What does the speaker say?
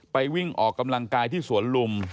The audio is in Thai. วิ่งออกกำลังกายที่สวนลุม